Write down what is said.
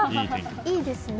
いいですね。